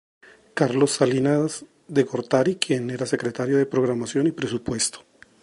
Carlos Salinas de Gortari quien era Secretario de Programación y Presupuesto.